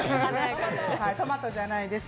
トマトじゃないです。